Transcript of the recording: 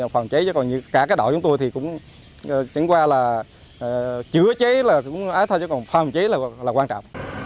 phòng chế chứ còn cả cái đội chúng tôi thì cũng chứng qua là chữa cháy phòng chế là quan trọng